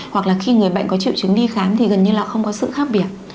hoặc là khi người bệnh có triệu chứng đi khám thì gần như là không có sự khác biệt